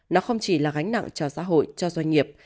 nó không chỉ là gánh nặng cho xã hội cho doanh nghiệp